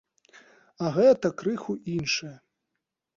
А гэта крыху іншае.